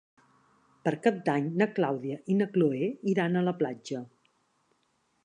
Per Cap d'Any na Clàudia i na Cloè iran a la platja.